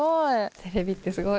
テレビってすごい。